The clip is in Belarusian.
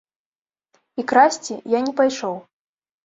І красці я не пайшоў.